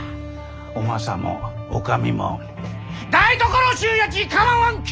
おマサも女将も台所衆やち構わんき！